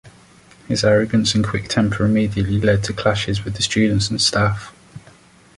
His arrogance and quick temper immediately lead to clashes with the students and staff.